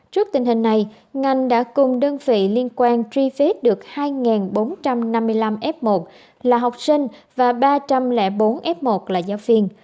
trước tình hình này ngành đã cùng đơn vị liên quan truy vết được hai bốn trăm năm mươi năm f một là học sinh và ba trăm linh bốn f một là giáo viên